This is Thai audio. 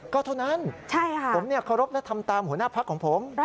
ก็เท่านั้นผมเนี่ยขอรบและทำตามหัวหน้าพักษ์ของผมใช่ค่ะ